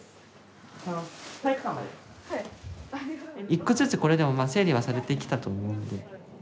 １個ずつこれでもまあ整理はされてきたと思うんで。